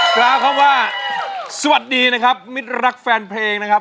กล่าวคำว่าสวัสดีนะครับมิดรักแฟนเพลงนะครับ